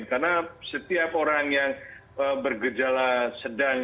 karena setiap orang yang bergejala sedang